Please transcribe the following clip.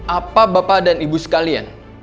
apa bapak dan ibu sekalian